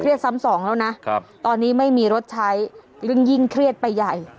เครียดซ้ำสองแล้วนะครับตอนนี้ไม่มีรถใช้เรื่องยิ่งเครียดไปใหญ่